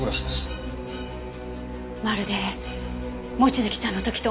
まるで望月さんの時と同じ。